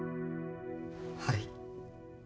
はい。